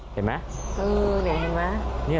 เห็นไหม